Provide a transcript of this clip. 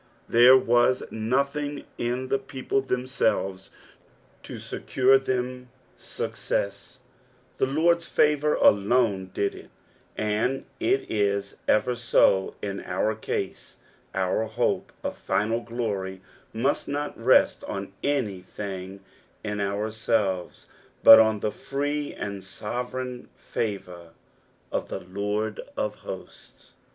There was nothing in the people themselves to secure them success, the Lord's favour alone did it, and it is ever so in our case, our hope of Biial glory must not rest on anything in oui aelres, but on the frett and sovereign favour of the Lord of Hosts.